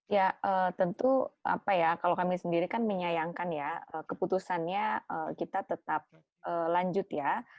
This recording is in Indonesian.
ya tentu apa ya kalau kami sendiri kan menyayangkan ya keputusannya kita tetap lanjut ya